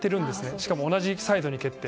しかも、同じサイドに蹴って。